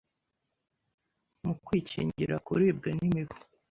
mu kwikingira kuribwa n'imibu